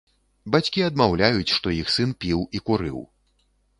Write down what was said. Бацькі адмаўляюць, што іх сын піў і курыў.